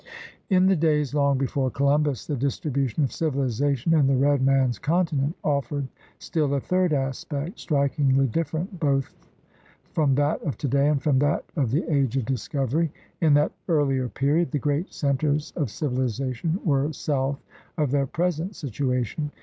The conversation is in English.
In the days long before Columbus the distribu tion of civilization in the Red Man's Continent offered still a third aspect, strikingly different both from that of today and from that of the age of discovery. In that earlier period the great centers of civilization were south of their present situation.